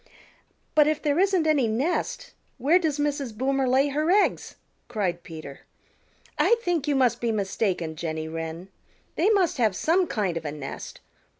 "But if there isn't any nest where does Mrs. Boomer lay her eggs?" cried Peter. "I think you must be mistaken, Jenny Wren. They must have some kind of a nest.